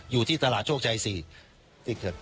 อยู่ที่ตลาดโชคชัย๔นี่ที่ไหนอีก